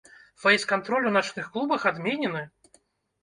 Фэйс-кантроль у начных клубах адменены?